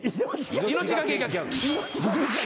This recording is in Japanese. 命懸けギャグ。